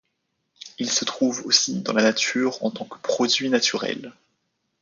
Ils se trouvent aussi dans la nature en tant que produits naturels.